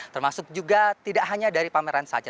termasuk juga tidak hanya dari pameran saja